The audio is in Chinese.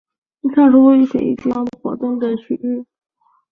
上述一水一地都是商部落活动的区域。